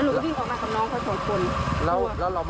แล้วเราไม่รู้ตอนไหนนะครับว่า